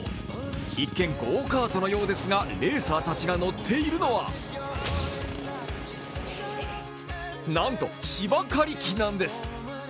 一見、ゴーカートのようですがレーサーたちが乗っているのはなんと芝刈り機なんです。